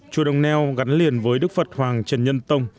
chùa đồng neo gắn liền với đức phật hoàng trần nhân tông